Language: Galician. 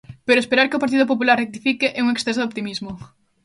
Pero esperar que o Partido Popular rectifique é un exceso de optimismo.